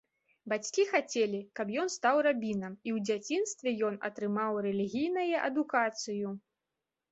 Бацькі хацелі, каб ён стаў рабінам, і ў дзяцінстве ён атрымаў рэлігійнае адукацыю.